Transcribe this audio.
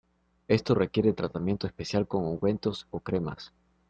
Esto requiere tratamiento especial con ungüentos o cremas.